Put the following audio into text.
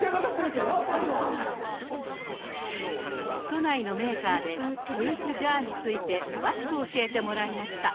都内のメーカーでスープジャーについて詳しく教えてもらいました。